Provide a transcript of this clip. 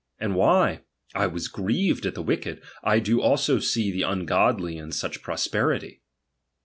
And why ? I was grieved at the r. wicked ; I do also see the ungodly in such pros perity.